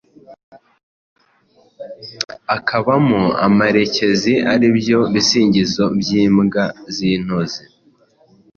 akabamo amarekezi ,aribyo bisingizo by’imbwa z‘intozo,